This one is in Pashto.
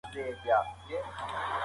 هغه ستر دولتي شخصیت هم و